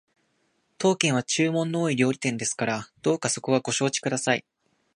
当軒は注文の多い料理店ですからどうかそこはご承知ください